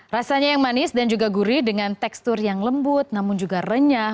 rasanya yang manis dan juga gurih dengan tekstur yang lembut namun juga renyah